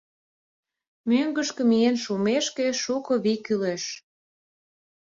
Мӧҥгышкӧ миен шумешке, шуко вий кӱлеш.